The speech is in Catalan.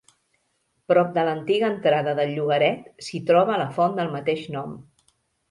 Prop de l'antiga entrada del llogaret, s'hi troba la font del mateix nom.